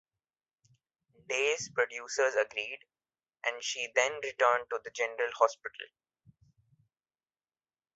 "Days" producers agreed, and she then returned to "General Hospital".